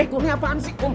eh kum ini apaan sih